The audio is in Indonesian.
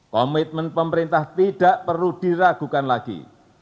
komitmen pemerintah tidak perlu diragukan lagi